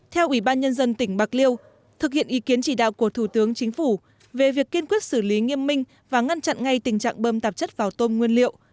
theo ủy ban nhân dân tỉnh bạc liêu thực hiện ý kiến chỉ đạo của thủ tướng chính phủ về việc kiên quyết xử lý nghiêm minh và ngăn chặn ngay tình trạng bơm tạp chất vào tôm nguyên liệu